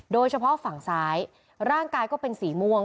โดยเฉพาะฝั่งซ้ายร่างกายก็เป็นสีม่วง